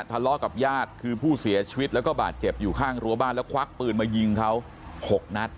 ทะเลาะกับญาติคือผู้เสียชีวิตแล้วก็บาดเจ็บอยู่ข้างรั้วบ้านแล้วควักปืนมายิงเขา๖นัด